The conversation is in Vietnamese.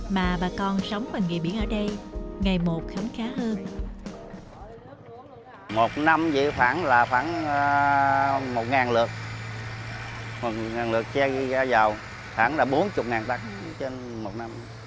một năm vậy khoảng là một lượt khoảng là bốn mươi tắc trên một năm